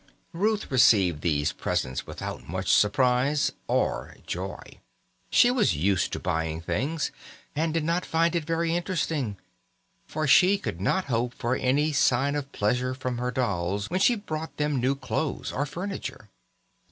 Ruth received these presents without much surprise or joy. She was used to buying things, and did not find it very interesting; for she could not hope for any sign of pleasure from her dolls when she brought them new clothes or furniture.